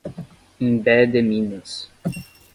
Imbé de Minas